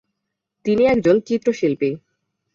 তিনি একজন চিত্রশিল্পী।